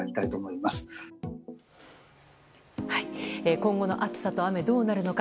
今後の暑さと雨、どうなるのか。